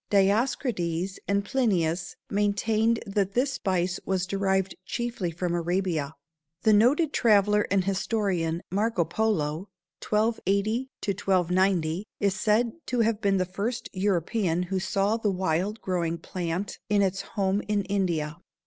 Dioscrides and Plinius maintained that this spice was derived chiefly from Arabia. The noted traveler and historian, Marco Polo (1280 1290) is said to have been the first European who saw the wild growing plant in its home in India.